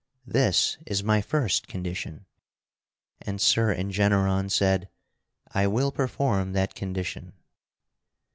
This is my first condition." And Sir Engeneron said: "I will perform that condition."